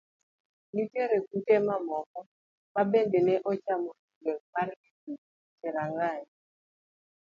Nitie kute mamoko ma bende ne ochomo e gweng' mar Little Cherangany.